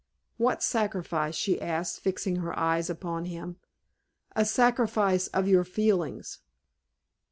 "What sacrifice?" she asked, fixing her eyes upon him. "A sacrifice of your feelings."